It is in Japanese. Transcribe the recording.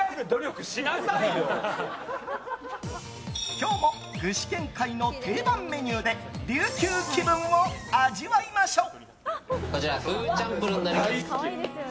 今日も具志堅会の定番メニューで琉球気分を味わいましょう！